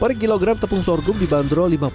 pari kilogram tepung sorghum di bandero lima puluh